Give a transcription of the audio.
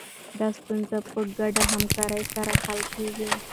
دا ستونزه په ګډه همکارۍ سره حل کېږي.